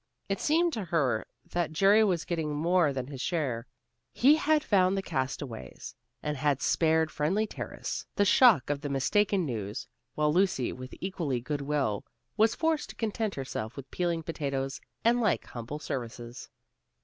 It seemed to her that Jerry was getting more than his share. He had found the castaways, and had spared Friendly Terrace the shock of the mistaken news, while Lucy with equally good will, was forced to content herself with peeling potatoes and like humble services.